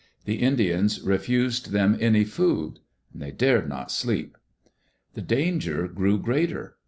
The Indians refused them any food. They dared not sleep. The danger grew greater.